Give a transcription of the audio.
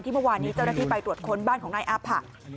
เมื่อวานนี้เจ้าหน้าที่ไปตรวจค้นบ้านของนายอาผะ